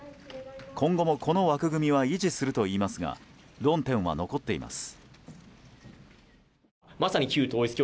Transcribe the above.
今後も、この枠組みは維持するといいますが論点は残っています。